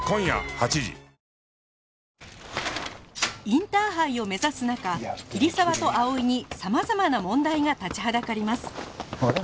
インターハイを目指す中桐沢と葵に様々な問題が立ちはだかりますあれ？